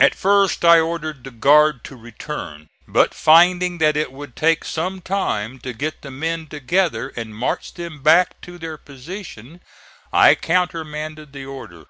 At first I ordered the guard to return, but finding that it would take some time to get the men together and march them back to their position, I countermanded the order.